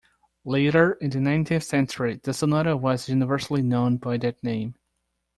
Later in the nineteenth century, the sonata was universally known by that name.